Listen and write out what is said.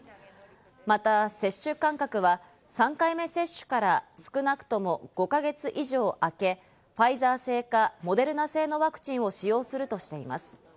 また接種間隔は３回目接種から少なくとも５か月以上あけ、ファイザー製かモデルナ製のワクチンを使用するとしています。